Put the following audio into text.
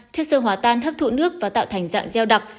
chất sơ hỏa tan hấp thụ nước và tạo thành dạng gieo đặc